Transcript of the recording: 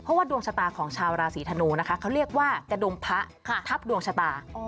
เพราะว่าดวงชะตาของชาวราศีธนูนะคะเขาเรียกว่ากระดมพระทับดวงชะตา